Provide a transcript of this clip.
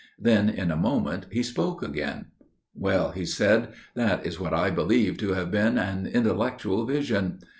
Then in a moment he spoke again. "Well," he said, "that is what I believe to have been an intellectual vision.